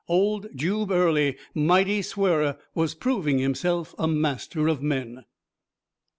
Old Jube Early, mighty swearer, was proving himself a master of men.